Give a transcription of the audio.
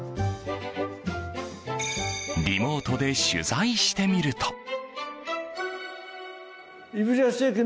リモートで取材してみると。